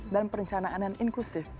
dan perencanaan yang inklusif